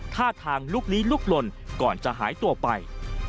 ท่าทางลุกลี้ลุกลนก่อนจะหายตัวไป